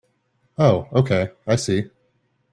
Oh okay, I see.